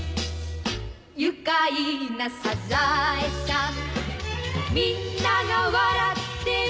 「愉快なサザエさん」「みんなが笑ってる」